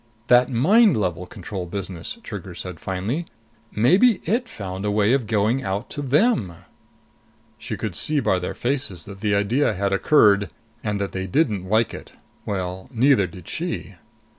"That mind level control business," Trigger said finally. "Maybe it found a way of going out to them." She could see by their faces that the idea had occurred, and that they didn't like it. Well, neither did she.